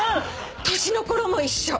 「年の頃も一緒」